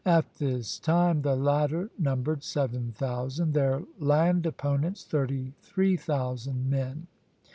At this time the latter numbered seven thousand, their land opponents thirty three thousand men.